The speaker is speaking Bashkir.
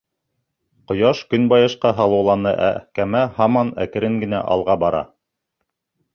Ҡояш көнбайышҡа һалыуланы, ә кәмә һаман әкрен генә алға бара.